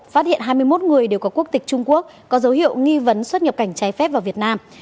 phát hiện hai mươi một người đều có quốc tịch trung quốc có dấu hiệu nghi vấn xuất nhập cảnh trái phép vào việt nam